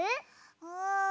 うん。